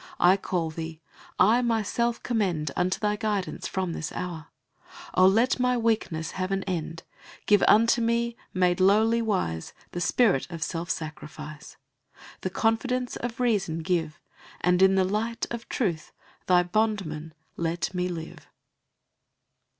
I call thee: I myself commend Unto thy guidance from this hour; Oh let my weakness have an end! Give unto me, made lowly wise, The spirit of self sacrifice; The confidence of reason give; And in the light of truth thy Bondman let me live.